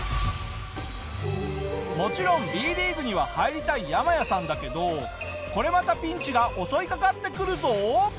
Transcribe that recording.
もちろんＢリーグには入りたいヤマヤさんだけどこれまたピンチが襲いかかってくるぞ！